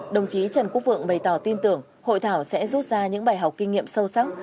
đồng chí trần quốc vượng bày tỏ tin tưởng hội thảo sẽ rút ra những bài học kinh nghiệm sâu sắc